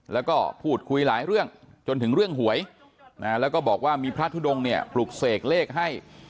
แล้วก็พูดคุยหลายเรื่องจนถึงเรื่องหวยแล้วก็บอกว่ามีพระทุดงเนี่ยปลุกเสกเลขให้